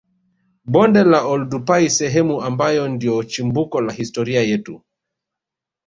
Bonde la Oldupai sehemu ambayo ndio chimbuko la historia yetu